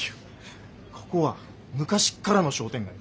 ここは昔っからの商店街。